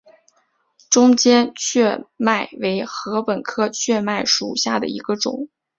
中间雀麦为禾本科雀麦属下的一个种。